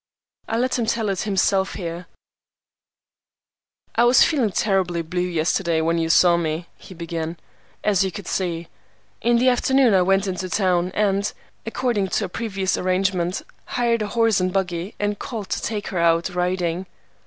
I let him tell it himself here:— "I was feeling terribly blue yesterday, when you saw me," he began, "as you could see. In the afternoon I went into town, and, according to a previous arrangement, hired a horse and buggy and called to take her out riding."